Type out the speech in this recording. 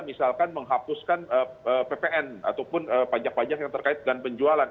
misalkan menghapuskan ppn ataupun pajak pajak yang terkait dengan penjualan